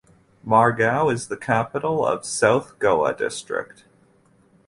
Margao is the capital of South Goa district.